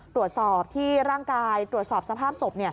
ตรวจสอบที่ร่างกายตรวจสอบสภาพศพ